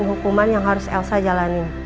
hukuman yang harus elsa jalanin